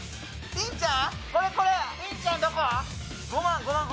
りんちゃんどこ？